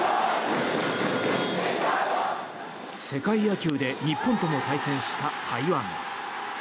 世界野球で日本とも対戦した台湾。